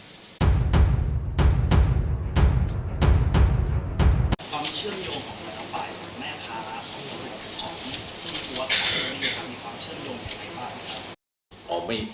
ความเชื่อมโยงของประตำปลายแม่ค้าและครับอ๋อมีความเชื่อมโยงไงบ้างครับ